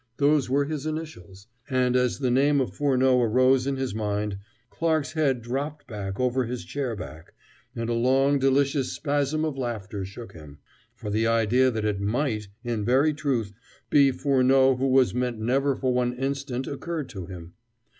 Those were his initials, and as the name of Furneaux arose in his mind, Clarke's head dropped back over his chair back, and a long, delicious spasm of laughter shook him. For the idea that it might, in very truth, be Furneaux who was meant never for one instant occurred to him.